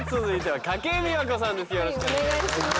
よろしくお願いします。